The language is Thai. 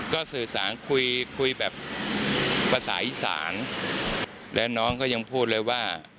ก็สื่อสารคุยคุยแบบภาษาอีสานและน้องก็ยังพูดเลยว่า